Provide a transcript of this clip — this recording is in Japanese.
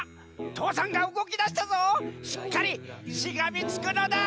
父山がうごきだしたぞしっかりしがみつくのだ！